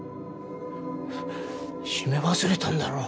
閉め忘れたんだろ？